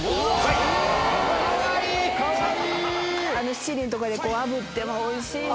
しちりんとかであぶってもおいしいし。